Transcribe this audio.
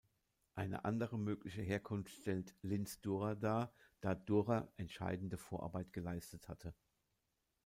Eine andere mögliche Herkunft stellt "Linz-Durrer" dar, da Durrer entscheidende Vorarbeit geleistet hatte.